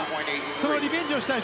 そのリベンジをしたい。